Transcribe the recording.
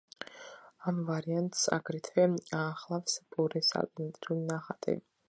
ამ ვარიანტს აგრეთვე ახლავს პურის ალტერნატიული ნახატი.